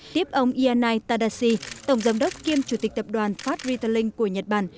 tiếp ông ianai tadasi tổng giám đốc kiêm chủ tịch tập đoàn fat retailing của nhật bản